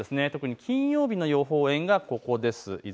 特に金曜日の予報円がここです。